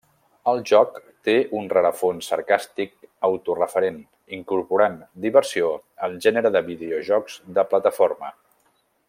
El joc té un rerefons sarcàstic autoreferent, incorporant diversió al gènere de videojocs de plataforma.